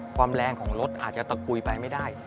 ความแรงของรถอาจจะตะกุยแปลงไม่ได้